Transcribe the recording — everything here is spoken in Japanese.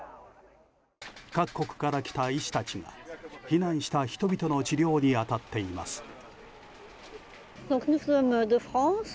各国から来た医師たちが避難した人々の治療に当たっています。